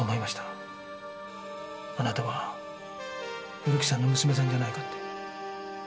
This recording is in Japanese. あなたは古木さんの娘さんじゃないかって。